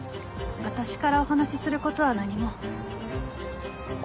私からお話しすることは何も。